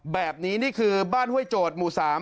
แบบนี้นี่คือบ้านห้วยโจทย์หมู่๓